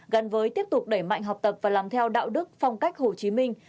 gắn với tiếp tục đẩy mạnh học tập và làm theo đạo đức phong cách hồ chí minh